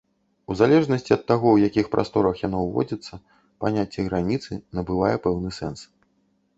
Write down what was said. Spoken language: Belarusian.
У залежнасці ад таго, ў якіх прасторах яно ўводзіцца, паняцце граніцы набывае пэўны сэнс.